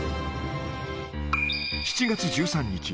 ７月１３日。